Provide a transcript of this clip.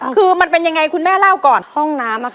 คือมันเป็นยังไงคุณแม่เล่าก่อน